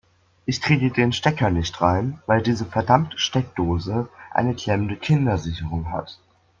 Ich kriege den Stecker nicht rein, weil diese verdammte Steckdose eine klemmende Kindersicherung hat.